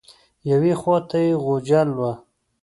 یوې خوا ته یې غوجل وه.